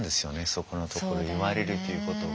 そこのところ言われるということが。